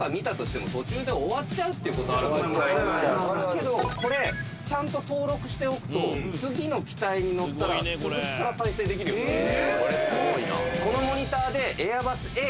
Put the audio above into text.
けどこれちゃんと登録しておくと次の機体に乗ったら続きから再生できるようになってる。